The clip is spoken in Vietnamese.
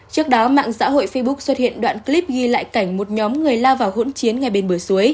trước đó mạng xã hội facebook xuất hiện đoạn clip ghi lại cảnh một nhóm người lao vào hỗn chiến ngay bên bờ suối